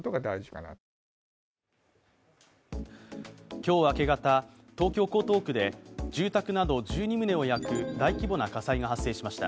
今日明け方、東京・江東区で住宅など１２棟を焼く大規模な火災が発生しました。